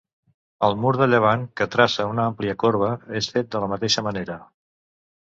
El mur de llevant, que traça una àmplia corba, és fet de la mateixa manera.